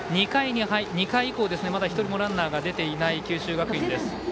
２回以降、まだ１人もランナーが出ていない九州学院です。